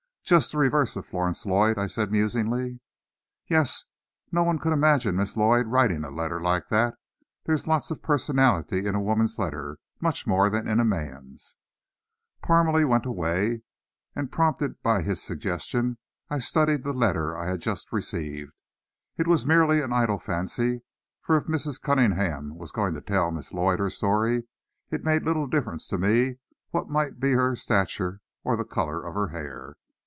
"Just the reverse of Florence Lloyd," I said musingly. "Yes; no one could imagine Miss Lloyd writing a letter like that. There's lots of personality in a woman's letter. Much more than in a man's." Parmalee went away, and prompted by his suggestions, I studied the letter I had just received. It was merely an idle fancy, for if Mrs. Cunningham was going to tell Miss Lloyd her story, it made little difference to me what might be her stature or the color of her hair.